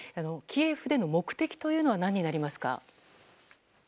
キエフでの目的というのは何になりますか？